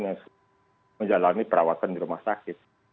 yang menjalani perawatan di rumah sakit